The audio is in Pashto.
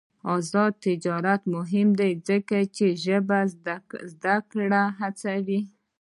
آزاد تجارت مهم دی ځکه چې ژبې زدکړه هڅوي.